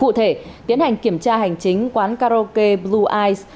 cụ thể tiến hành kiểm tra hành chính quán karaoke blue eye